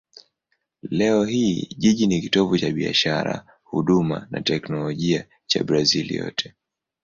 Leo hii jiji ni kitovu cha biashara, huduma na teknolojia cha Brazil yote.